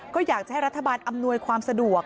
ก็อยากจะให้รัฐบาลอำนวยความสะดวก